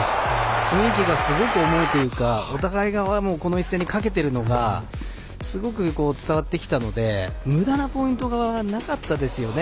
雰囲気がすごく重いというかお互いがこの一戦にかけているのがすごく伝わってきたのでむだなポイントがなかったですよね。